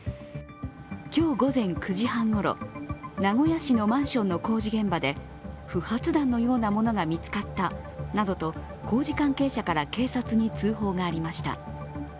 今日午前９時半ごろ名古屋市のマンションの工事現場で不発弾のようなものが見つかったなどと工事関係者から警察に通報がありました。